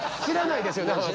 知らないですよね